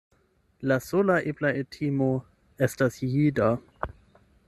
La sola ebla etimo estas jida.